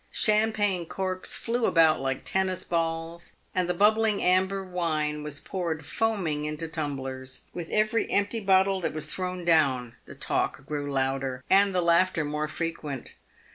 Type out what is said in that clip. Champagne corks flew about like tennis balls, and the bubbling amber wine was poured foaming into tumblers. "With every empty bottle that was thrown down, the talk grew louder and the laughter more frequent.